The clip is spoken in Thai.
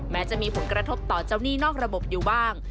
จะมีผลกระทบต่อเจ้าหนี้นอกระบบอยู่บ้าง